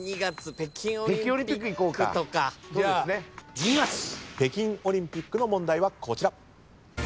北京オリンピックの問題はこちら。